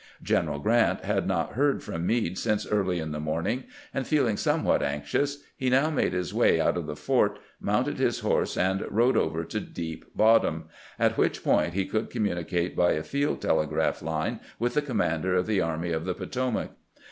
General Grant had not heard from Meade since early in the morning, and feeling somewhat anxious, he now made his way out of the fort, mounted his horse, and rode over to Deep Bottom, at which point he could com municate by a field telegraph line with the commander of the Army of the Potomac.